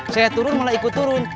saya turun malah ikut turun